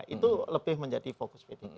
itu lebih menjadi fokus p tiga